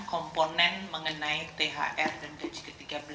komponen mengenai thr dan gaji ke tiga belas